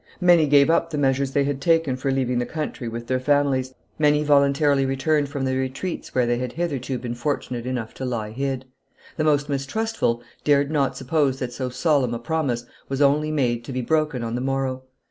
Many gave up the measures they had taken for leaving the country with their families, many voluntarily returned from the retreats where they had hitherto been fortunate enough to lie hid. The most mistrustful dared not suppose that so solemn a promise was only made to be broken on the morrow.